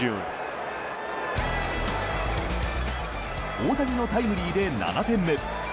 大谷のタイムリーで７点目。